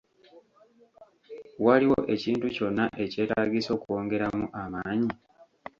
Waliwo ekintu kyonna ekyetaagisa okwongeramu amaanyi?